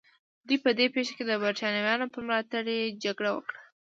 دوی په دې پېښه کې د برېټانویانو په ملاتړ جګړه وکړه.